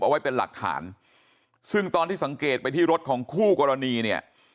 เอาไว้เป็นหลักฐานซึ่งตอนที่สังเกตไปที่รถของคู่กรณีเนี่ย